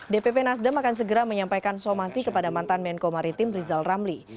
dpp nasdem akan segera menyampaikan somasi kepada mantan menko maritim rizal ramli